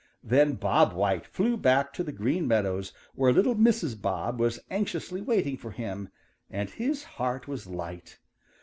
Then Bob White flew back to the Green Meadows where little Mrs. Bob was anxiously waiting for him, and his heart was light.